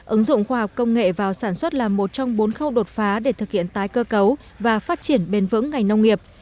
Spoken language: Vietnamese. ứng dụng khoa học công nghệ vào sản xuất là một trong bốn khâu đột phá để thực hiện tái cơ cấu và phát triển bền vững ngành nông nghiệp